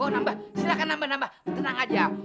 oh nambah silahkan nambah nambah tenang aja